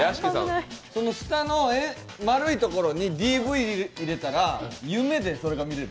下の丸いところにＤＶＤ入れたら、夢でそれが見れる。